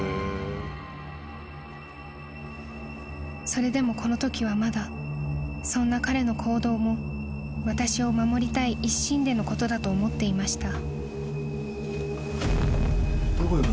［それでもこのときはまだそんな彼の行動も私を守りたい一心でのことだと思っていました］